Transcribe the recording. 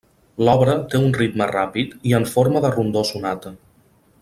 L'obra té un ritme ràpid i en forma de rondó sonata.